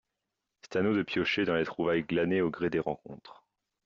C’est à nous de piocher dans les trouvailles glanées au gré des rencontres.